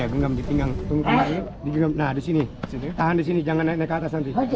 ya genggam di pinggang tunggu lagi di sini tahan di sini jangan naik ke atas nanti